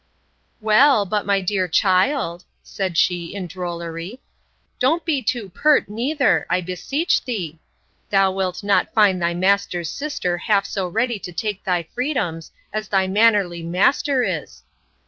Well, but my dear child, said she, in drollery, don't be too pert neither, I beseech thee. Thou wilt not find thy master's sister half so ready to take thy freedoms, as thy mannerly master is!